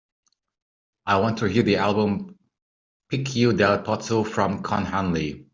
I want to hear the album Picchio Dal Pozzo from Con Hunley